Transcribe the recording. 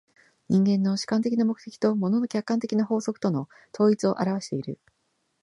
人間の主観的な目的と物の客観的な法則との統一を現わしている。